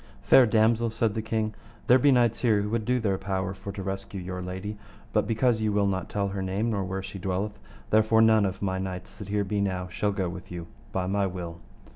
Fair damosel, said the king, there be knights here would do their power for to rescue your lady, but because you will not tell her name, nor where she dwelleth, therefore none of my knights that here be now shall go with you by my will.